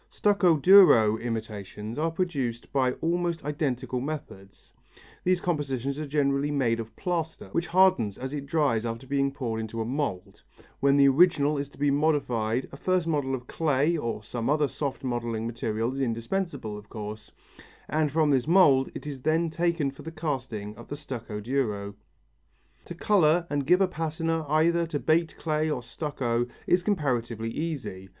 Stucco duro imitations are produced by almost identical methods. These compositions are generally made of plaster, which hardens as it dries after being poured into a mould. When the original is to be modified a first model of clay or some other soft modelling material is indispensable, of course, and from this a mould is then taken for the casting of the stucco duro. To colour and give a patina either to baked clay or stucco is comparatively easy.